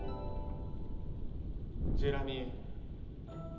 ジェラミー。